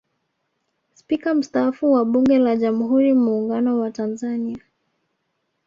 Spika mstaafu wa Bunge la Jamhuri ya Muungano wa Tanzania